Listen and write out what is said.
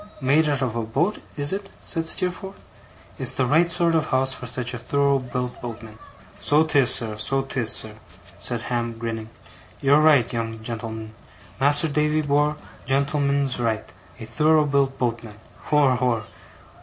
'Made out of a boat, is it?' said Steerforth. 'It's the right sort of a house for such a thorough built boatman.' 'So 'tis, sir, so 'tis, sir,' said Ham, grinning. 'You're right, young gen'l'm'n! Mas'r Davy bor', gen'l'm'n's right. A thorough built boatman! Hor, hor!